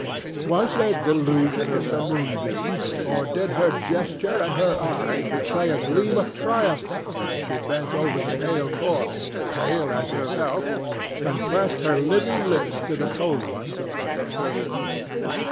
Was there delusion in the moonbeams, or did her gesture and her eye betray a gleam of triumph as she bent over the pale corpse, pale as itself, and pressed her living lips to the cold ones of the dead?